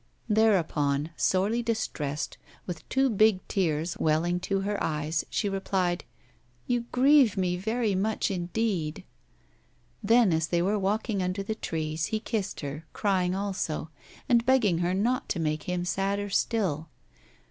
Thereupon, sorely distressed, with two big tears welling to her eyes, she replied: 'You grieve me very much indeed.' Then, as they were walking under the trees, he kissed her, crying also, and begging her not to make him sadder still.